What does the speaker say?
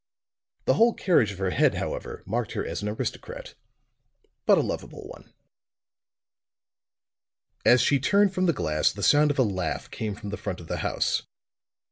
The whole carriage of her head, however, marked her as an aristocrat, but a lovable one. As she turned from the glass the sound of a laugh came from the front of the house.